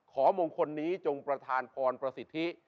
มงคลนี้จงประธานพรประสิทธิ